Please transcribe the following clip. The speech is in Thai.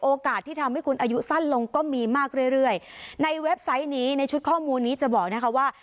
ที่ทำให้คุณอายุสั้นลงก็มีมากเรื่อยเรื่อยในเว็บไซต์นี้ในชุดข้อมูลนี้จะบอกนะคะว่า